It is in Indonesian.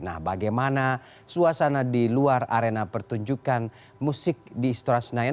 nah bagaimana suasana di luar arena pertunjukan musik di istora senayan